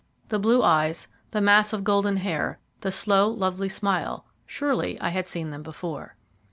The blue eyes, the mass of golden hair, the slow, lovely smile surely I had seen them before.